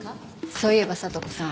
そういえば里子さん。